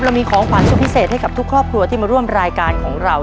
มีของขวัญสุดพิเศษให้กับทุกครอบครัวที่มาร่วมรายการของเรา